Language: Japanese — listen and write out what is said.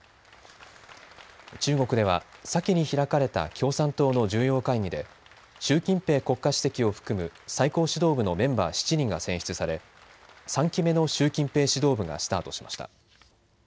中国では先に開かれた共産党の重要会議で習近平国家主席を含む最高指導部のメンバー７人が選出され３期目の習近平指導部がスタートしました。